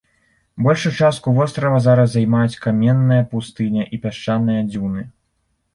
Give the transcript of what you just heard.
Большую частку вострава зараз займаюць каменная пустыня і пясчаныя дзюны.